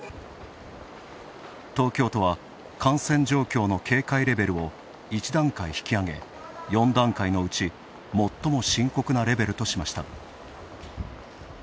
東京とは感染状況の警戒レベルを１段階引き上げ、４段階のうち最も深刻なレベルとしました。